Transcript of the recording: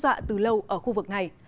mà họ đã đe dọa từ lâu ở khu vực này